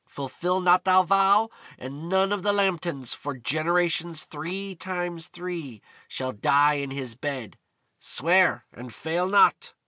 Fulfil not thou vow, and none of the Lambtons, for generations three times three, shall die in his bed. Swear, and fail not."